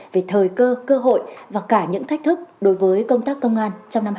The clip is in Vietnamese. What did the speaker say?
về thời cơ cơ hội và cả những thách thức đối với công tác công an